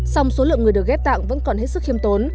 song số lượng người được ghép tạng vẫn còn hết sức khiêm tốn